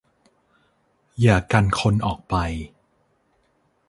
อย่ากันคนออกไป